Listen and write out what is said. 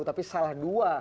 tapi salah dua